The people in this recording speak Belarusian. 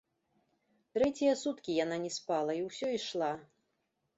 Трэція суткі яна не спала і ўсё ішла.